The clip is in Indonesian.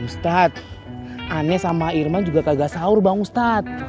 ustaz ana sama irman juga kagak sahur bang ustaz